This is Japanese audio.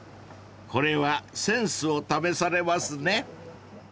［これはセンスを試されますね］